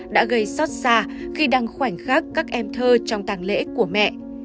đã gây xót xa khi đang khoảnh khắc các em thơ trong tàng lễ của mẹ